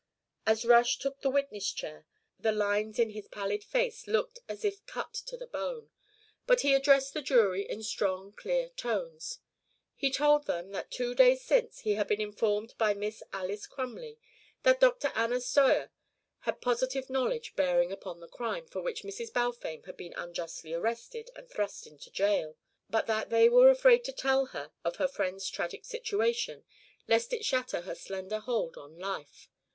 As Rush took the witness chair, the lines in his pallid face looked as if cut to the bone, but he addressed the jury in strong clear tones. He told them that two days since he had been informed by Miss Alys Crumley that Dr. Anna Steuer had positive knowledge bearing upon the crime for which Mrs. Balfame had been unjustly arrested and thrust into jail, but that they were afraid to tell her of her friend's tragic situation lest it shatter her slender hold on life.